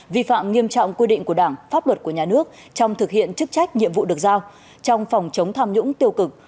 vi phạm nghiêm trọng quy định của đảng pháp luật của nhà nước trong thực hiện chức trách nhiệm vụ được giao trong phòng chống tham nhũng tiêu cực